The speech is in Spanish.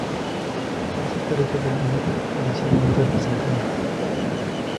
Parece estar hecho a propósito para ser muy representado.